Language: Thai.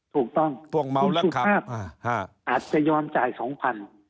ถูกต้องคุณสุภาพอาจจะยอมจ่าย๒๐๐บาท